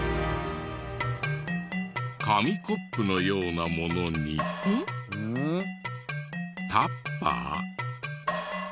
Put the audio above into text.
紙コップのようなものにタッパー？